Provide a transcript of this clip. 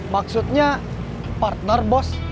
maksudnya partner bos